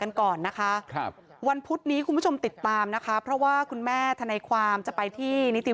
แล้วก็ไม่พบว่ามีการฟันหัดตามที่เป็นข่าวทางโซเชียลก็ไม่พบ